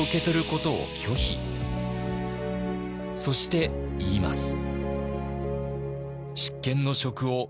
そして言います。